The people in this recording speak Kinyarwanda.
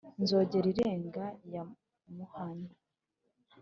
Nzogerirenga ya Muhanyi,